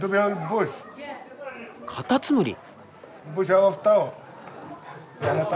カタツムリ？